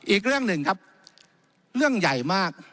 อีกเรื่องหนึ่งครับเรื่องใหญ่มาก